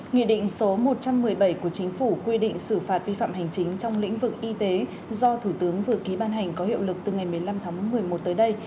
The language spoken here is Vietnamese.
nghị định số một trăm một mươi bảy của chính phủ quy định xử phạt vi phạm hành chính trong lĩnh vực y tế do thủ tướng vừa ký ban hành có hiệu lực từ ngày một mươi năm tháng một mươi một tới đây